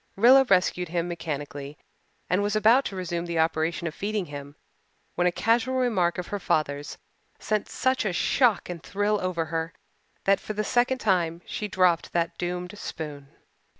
Rilla rescued him mechanically and was about to resume the operation of feeding him when a casual remark of her father's sent such a shock and thrill over her that for the second time she dropped that doomed spoon.